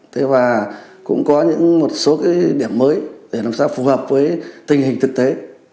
thế và cũng có những một số cái điểm mới để làm sao phù hợp với tình hình thực tế